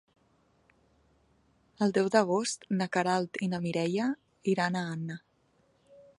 El deu d'agost na Queralt i na Mireia iran a Anna.